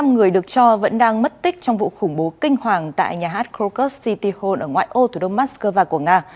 năm người được cho vẫn đang mất tích trong vụ khủng bố kinh hoàng tại nhà hát krokus city hall ở ngoại ô thủ đô moscow của nga